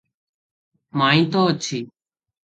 ମାଇଁ ତ ଅଛି!